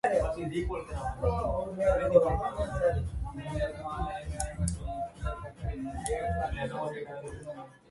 A medieval fiefdom, the county of Carcassonne, controlled the city and its environs.